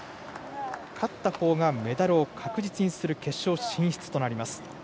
勝ったほうがメダルを確実にする決勝進出となります。